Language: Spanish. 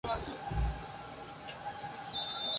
El planeta sigue en estudio al ser un descubrimiento reciente.